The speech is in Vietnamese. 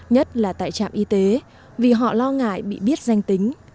nhất là tại trạm y tế vì họ lo ngại bị biết danh tính